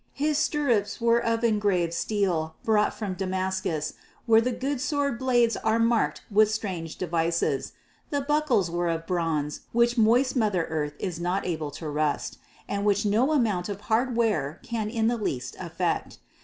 His stirrups were of engraved steel brought from Damascus, where the good sword blades are marked with strange devices; the buckles were of bronze which moist Mother Earth is not able to rust, and which no amount of hard wear can in the least affect.